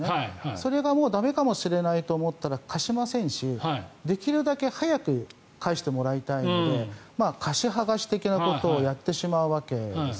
それがもう駄目かと思ったら貸しませんしできるだけ早く返してもらいたいので貸し剥がし的なことをやってしまうわけです。